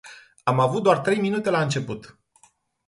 Am avut doar trei minute la început.